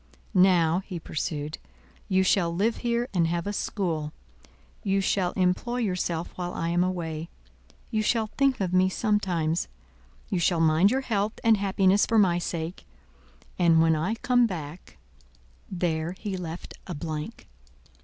Now," he pursued, "you shall live here and have a school; you shall employ yourself while I am away; you shall think of me sometimes; you shall mind your health and happiness for my sake, and when I come back—" There he left a blank.